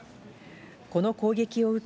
この攻撃を受け